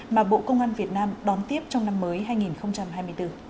mà bộ công an việt nam đón tiếp trong năm mới hai nghìn hai mươi bốn